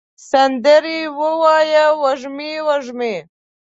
سندرې ووایې وږمې، وږمې